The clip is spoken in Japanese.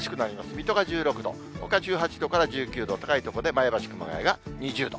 水戸が１６度、ほか１８度から１９度、高い所で前橋、熊谷が２０度。